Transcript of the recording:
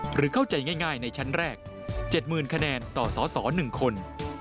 หรือเข้าใจง่ายในชั้นแรก๗๐๐คะแนนต่อสส๑คน